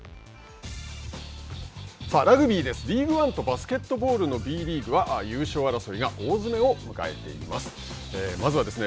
ラグビー、リーグワンとバスケットボールのＢリーグは優勝争いが大詰めを迎えています。